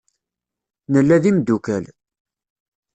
Nella d imeddukal.